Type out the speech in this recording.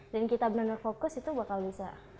dan kita benar benar fokus itu bakal bisa